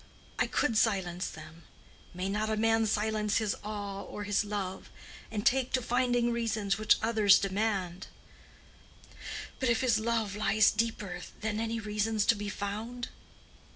I could silence them: may not a man silence his awe or his love, and take to finding reasons, which others demand? But if his love lies deeper than any reasons to be found?